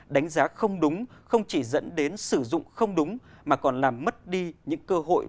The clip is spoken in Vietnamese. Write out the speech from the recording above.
đánh giá không đúng không chỉ dẫn đến sử dụng không đúng mà còn làm mất đi những cơ hội